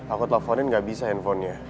aku teleponin gak bisa handphonenya